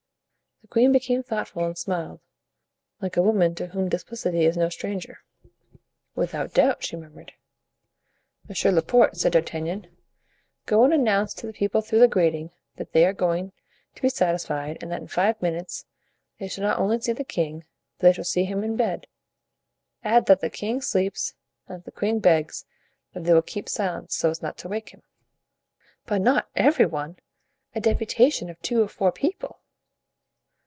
The queen became thoughtful and smiled, like a woman to whom duplicity is no stranger. "Without doubt," she murmured. "Monsieur Laporte," said D'Artagnan, "go and announce to the people through the grating that they are going to be satisfied and that in five minutes they shall not only see the king, but they shall see him in bed; add that the king sleeps and that the queen begs that they will keep silence, so as not to awaken him." "But not every one; a deputation of two or four people."